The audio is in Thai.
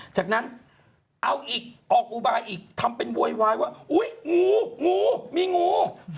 จากนั้นเอาอีกออกอุบายอีกทำเป็นโวยวายว่าอุ๊ยงูงูมีงู